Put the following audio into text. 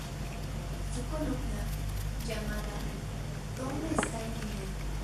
Su columna, llamada ""¿Dónde está el dinero?